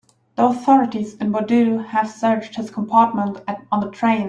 The authorities in Bordeaux have searched his compartment on the train.